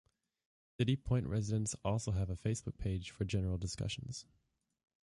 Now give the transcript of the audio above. City Point Residents also have a Facebook page for general discussions.